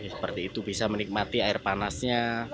seperti itu bisa menikmati air panasnya